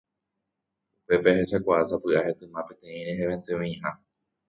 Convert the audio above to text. Upépe ahechakuaa sapy'a hetyma peteĩ rehevénte oĩha.